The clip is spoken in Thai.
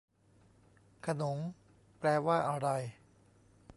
ขนงแปลว่าอะไร